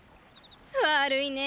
悪いね！